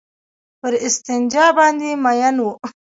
پر استنجا باندې مئين وو.